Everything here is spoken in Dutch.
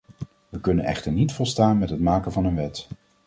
We kunnen echter niet volstaan met het maken van een wet.